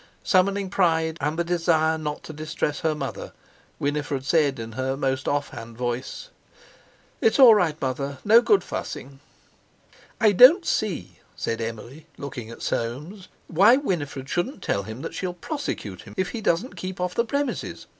Summoning pride and the desire not to distress her mother, Winifred said in her most off hand voice: "It's all right, Mother; no good fussing." "I don't see," said Emily, looking at Soames, "why Winifred shouldn't tell him that she'll prosecute him if he doesn't keep off the premises.